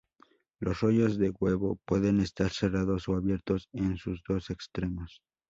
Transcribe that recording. Los rollos de huevo pueden estar cerrados o abiertos en sus dos extremos.